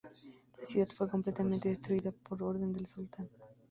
La ciudad fue completamente destruida por orden del sultán.